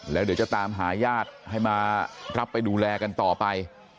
แล้วเดี๋ยวจะตามหาญาติให้มารับไปดูแลกันต่อไป